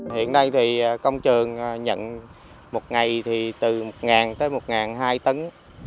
hiện nay thì công trường nhận một ngày thì từ một ngàn tới một ngàn hai tấn